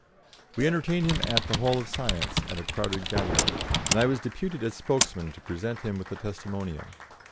We entertained him at the Hall of Science at a crowded gathering, and I was deputed as spokesman to present him with a testimonial.